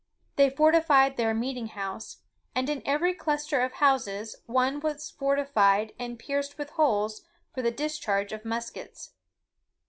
They fortified their "meeting house;" and in every cluster of houses, one was fortified and pierced with holes for the discharge of muskets.